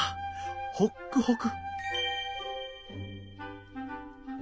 ホックホク！